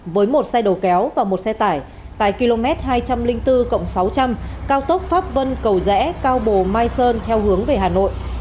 với một xe đầu kéo và một xe tải tại km hai trăm linh bốn sáu trăm linh cao tốc pháp vân cầu rẽ cao bồ mai sơn theo hướng về hà nội